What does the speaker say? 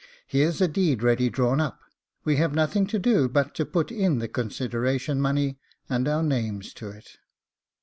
Here's a deed ready drawn up; we have nothing to do but to put in the consideration money and our names to it.